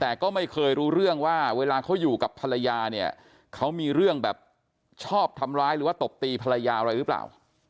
แต่ก็ไม่เคยรู้เรื่องว่าเวลาเขาอยู่กับภรรยาเนี่ยเขามีเรื่องแบบชอบทำร้ายหรือว่าตบตีภรรยาอะไรหรือเปล่า